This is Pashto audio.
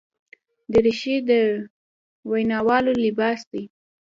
دریشي د ویناوالو لباس دی.